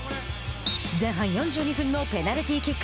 前半４２分のペナルティーキック。